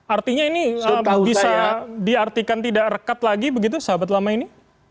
artinya ini bisa diartikan tidak rekat lagi begitu sahabat lama ini